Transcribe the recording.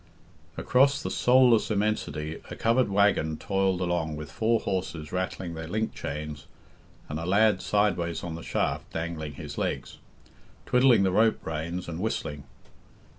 Across the soulless immensity a covered waggon toiled along with four horses rattling their link chains, and a lad sideways on the shaft dangling his legs, twiddling the rope reins and whistling.